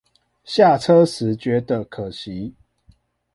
下車時覺得可惜